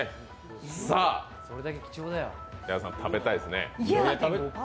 さあ、皆さん、食べたいですね？